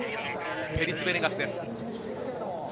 ペリス・ベネガスです。